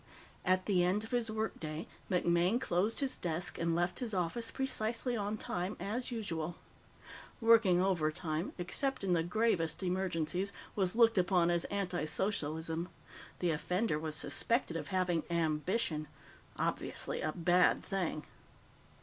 At the end of his work day, MacMaine closed his desk and left his office precisely on time, as usual. Working overtime, except in the gravest emergencies, was looked upon as antisocialism. The offender was suspected of having Ambition obviously a Bad Thing.